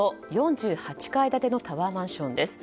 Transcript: ４８階建てのタワーマンションです。